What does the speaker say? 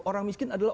orang miskin adalah